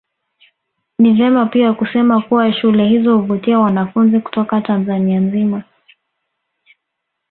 Ni vema pia kusema kuwa shule hizo huvutia wanafunzi kutoka Tanzania nzima